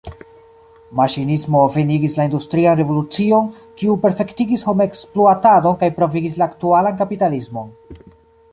Maŝinismo venigis la industrian revolucion, kiu perfektigis homekspluatadon kaj pravigis la aktualan kapitalismon.